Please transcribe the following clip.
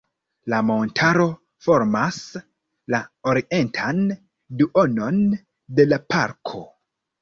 La montaro formas la orientan duonon de la Parko.